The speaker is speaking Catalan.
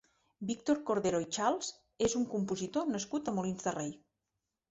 Víctor Cordero i Charles és un compositor nascut a Molins de Rei.